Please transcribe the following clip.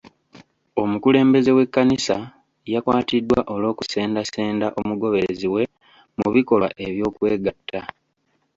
Omukulembeze w'ekkanisa yakwatiddwa olw'okusendasenda omugoberezi we mu bikolwa eby'okwegatta.